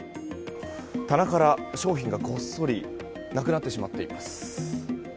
棚から商品がごっそりなくなってしまっています。